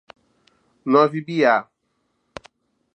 Nova Ibiá